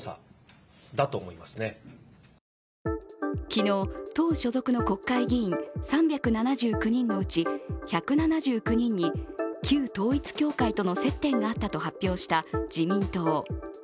昨日、党所属の国会議員３７９人のうち１７９人に旧統一教会との接点があったと発表した自民党。